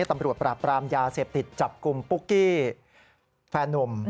ตำรวจปราบปรามยาเสพติดจับกลุ่มปุ๊กกี้แฟนนุ่ม